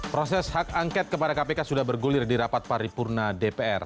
proses hak angket kepada kpk sudah bergulir di rapat paripurna dpr